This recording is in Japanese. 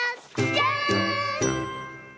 じゃん！